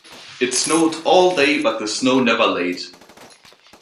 It snowed all day but the snow never laid.